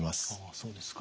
そうですか。